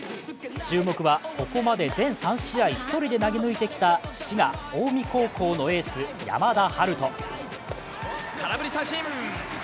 注目はここまで全３試合１人で投げ抜いてきた滋賀・近江高校のエース・山田陽翔。